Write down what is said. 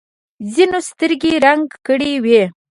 ځینو سترګې رنګ کړې وي.